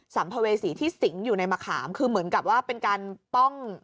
ัมภเวษีที่สิงอยู่ในมะขามคือเหมือนกับว่าเป็นการป้อง